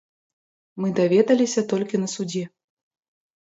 Мы даведаліся толькі на судзе.